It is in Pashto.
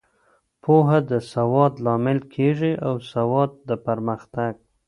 پوهه د سواد لامل کیږي او سواد د پرمختګ.